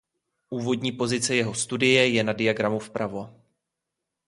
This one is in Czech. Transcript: Úvodní pozice jeho studie je na diagramu vpravo.